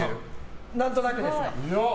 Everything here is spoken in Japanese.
何となくですけど。